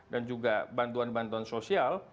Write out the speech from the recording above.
dan juga bantuan bantuan sosial